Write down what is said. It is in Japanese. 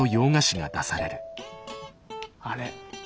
あれ？